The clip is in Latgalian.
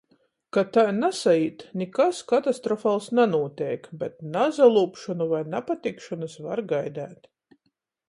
Ka tai nasaīt, nikas katastrofals nanūteik, bet nasalūbšonu voi napatikšonys var gaideit.